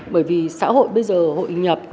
bởi vì xã hội bây giờ hội nhập